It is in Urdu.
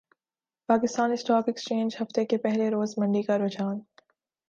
پاکستان اسٹاک ایکسچینج ہفتے کے پہلے روز مندی کا رحجان